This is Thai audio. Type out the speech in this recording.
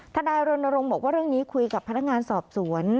ทนายรณรงค์บอกว่าเรื่องนี้คุยกับพนักงานสอบสวน